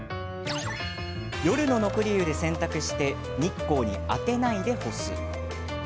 夜の残り湯で洗濯して日光に当てないで干す。